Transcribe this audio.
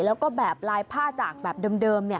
แล้วก็แบบลายผ้าจากแบบเดิม